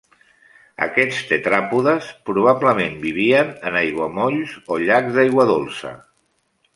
Aquests tetràpodes probablement vivien en aiguamolls o llacs d'aigua dolça.